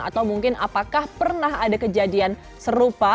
atau mungkin apakah pernah ada kejadian serupa